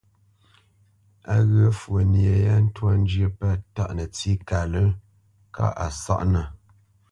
Á ghyə̂ fwo nye yâ ntwá njyə́ pə̂ tâʼ nətsí kalə́ŋ kâʼ a sáʼnə̄.